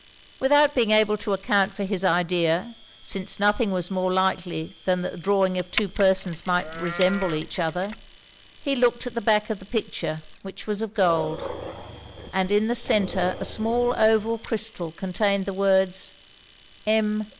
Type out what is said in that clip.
Without being able to account for his idea, since nothing was more likely than that the drawing of two persons might resemble each other, he looked at the back of the picture, which was of gold; and in the centre a small oval crystal contained the words _Em.